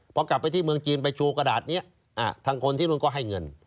พอกลับไปที่เมืองจีนไปโชว์กระดาษนี้ทางคนที่นู่นก็ให้เงิน